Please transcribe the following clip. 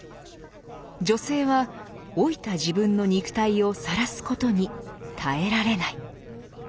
女性は老いた自分の肉体をさらすことに耐えられない。